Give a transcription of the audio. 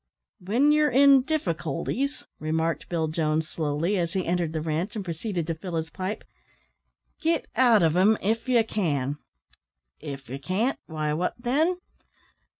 "W'en yer in difficulties," remarked Bill Jones, slowly, as he entered the ranche, and proceeded to fill his pipe, "git out of 'em, if ye can. If ye can't, why wot then?